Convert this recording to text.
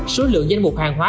số lượng danh mục hàng hóa